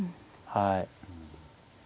はい。